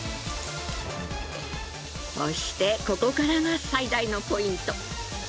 そしてここからが最大のポイント。